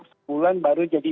sebulan baru jadi enam